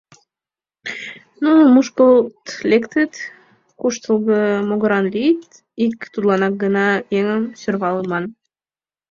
Нуно мушкылт лектыт, куштылго могыран лийыт — ик тудланак гына еҥым сӧрвалыман.